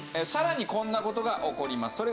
さらにこんな事が起こります。